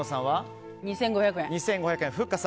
２５００円。